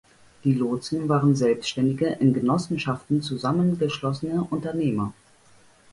Die Lotsen waren selbständige in Genossenschaften zusammengeschlossene Unternehmer.